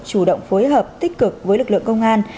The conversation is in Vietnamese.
chủ động phối hợp tích cực với lực lượng công an